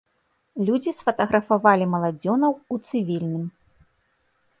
Людзі сфатаграфавалі маладзёнаў у цывільным.